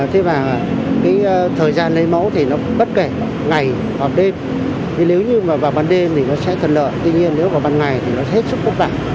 thế mà cái thời gian lấy mẫu thì nó bất kể ngày hoặc đêm thì nếu như vào ban đêm thì nó sẽ thần lợi tuy nhiên nếu có ban ngày thì nó sẽ hết sức phức tạp